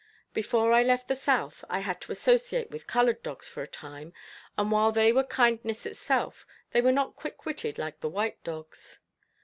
Before I left the South, I had to associate with coloured dogs for a time, and while they were kindness itself, they were not quick witted like the white dogs.